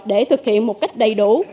để thực hiện một cách đầy đủ